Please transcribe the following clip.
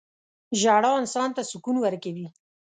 • ژړا انسان ته سکون ورکوي.